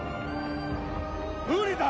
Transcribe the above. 「無理だ」